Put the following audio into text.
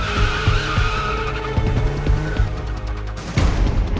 ya udah aku nelfon